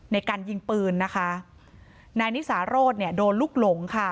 นายนิสารถโดนลุกหลงค่ะ